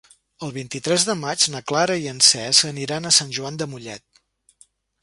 El vint-i-tres de maig na Clara i en Cesc aniran a Sant Joan de Mollet.